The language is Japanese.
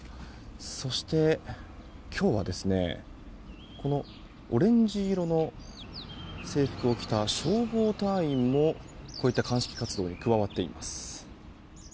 そして、今日はこのオレンジ色の制服を着た消防隊員もこういった鑑識活動に加わっています。